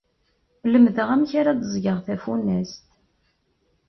Lemdeɣ amek ara d-ẓẓgeɣ tafunast.